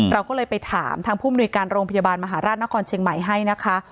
เราก็เลยไปถามทางผู้มนุยการโรงพยาบาลมหาราชนครเชียงใหม่ให้นะคะ